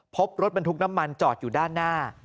พบรถบรรทุกน้ำมันจอดอยู่ด้านหน้า